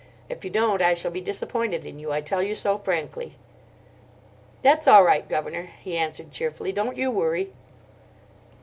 If you don't, I shall be disappointed in you, I tell you so frankly." "That's all right, governor," he answered cheerfully. "Don't you worry."